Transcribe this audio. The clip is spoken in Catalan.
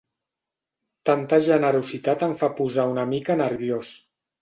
Tanta generositat em fa posar una mica nerviós.